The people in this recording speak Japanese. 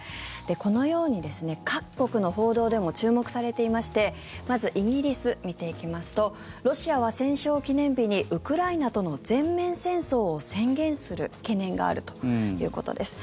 このように各国の報道でも注目されていましてまず、イギリス見ていきますとロシアは戦勝記念日にウクライナとの全面戦争を宣言する懸念があるということです。